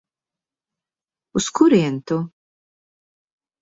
Uz kurieni tu?